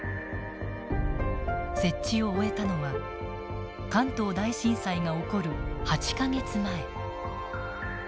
設置を終えたのは関東大震災が起こる８か月前。